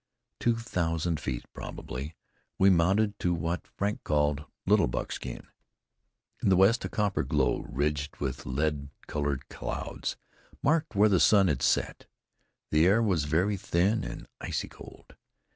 Two thousand feet, probably, we mounted to what Frank called Little Buckskin. In the west a copper glow, ridged with lead colored clouds, marked where the sun had set. The air was very thin and icy cold.